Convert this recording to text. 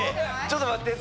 ちょっと待って。